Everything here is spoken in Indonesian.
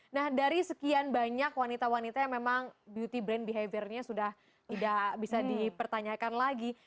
nah dari sekian banyak wanita wanita yang memang beauty brand behaviornya sudah tidak bisa dipertanyakan lagi